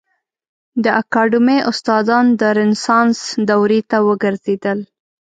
د اکاډمي استادان د رنسانس دورې ته وګرځېدل.